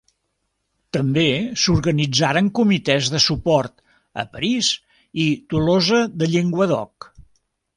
També s'organitzaren comitès de suport a París i Tolosa de Llenguadoc.